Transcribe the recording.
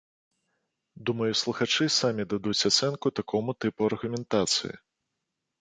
Думаю, слухачы самі дадуць ацэнку такому тыпу аргументацыі.